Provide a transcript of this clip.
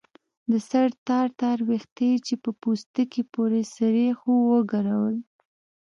د سر تار تار ويښته يې چې په پوستکي پورې سرېښ وو وګرول.